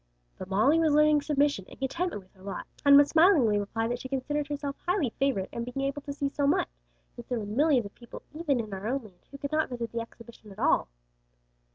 But Molly was learning submission and contentment with her lot, and would smilingly reply that she considered herself highly favored in being able to see so much, since there were millions of people even in our own land, who could not visit the Exhibition at all.